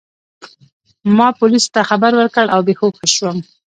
ما پولیسو ته خبر ورکړ او بې هوښه شوم.